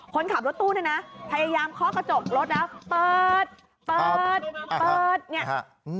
คนขับรถตู้เนี่ยนะพยายามเคาะกระจกรถนะเปิดเปิดเปิดเนี่ย